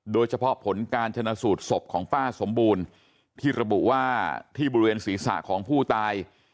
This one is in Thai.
โดยเฉพาะผลการชนะสูตรศพของป้าสมบูรณ์ที่ระบุว่าที่บริเวณศีรษะของผู้ตาย